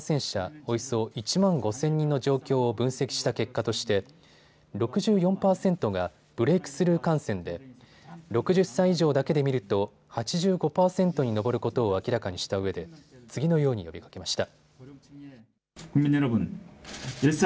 およそ１万５０００人の状況を分析した結果として６４％がブレイクスルー感染で６０歳以上だけで見ると８５％に上ることを明らかにしたうえで次のように呼びかけました。